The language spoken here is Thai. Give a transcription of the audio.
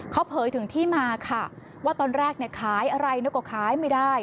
เขาเผยถึงที่มาค่ะว่าตอนแรกเนี่ยขายอะไรก็ขายไม่ได้